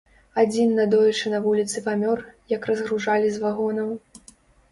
Адзін надоечы на вуліцы памёр, як разгружалі з вагонаў.